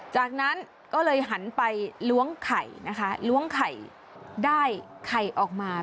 จากนั้นก็เลยหันไปล้วงไข่นะคะล้วงไข่ได้ไข่ออกมา